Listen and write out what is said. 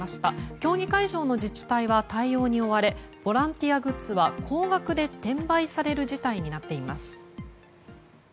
競技会場の自治体は対応に追われボランティアグッズは高額で転売される事態になっています。